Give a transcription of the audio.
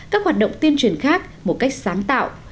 các hoạt động tuyên truyền khác một cách sáng tạo